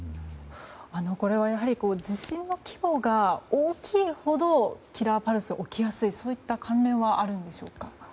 これは地震の規模が大きいほどキラーパルスは起きやすいそういった関連はあるんでしょうか？